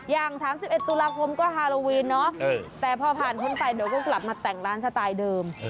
อย่าง๓๑ตุลาคมก็ฮาโลวีนเนาะแต่พอผ่านพ้นไปเดี๋ยวก็กลับมาแต่งร้านสไตล์เดิม